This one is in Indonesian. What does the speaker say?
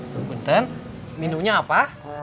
benten minumnya apa